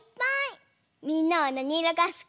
みんなはなにいろがすき？